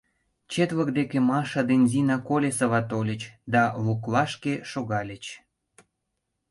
Четлык деке Маша ден Зина Колесова тольыч да луклашке шогальыч.